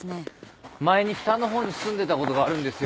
前に北の方に住んでたことがあるんですよ。